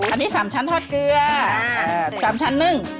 อันนี้๓ชั้นทอดเกลือ๓ชั้นนึ่ง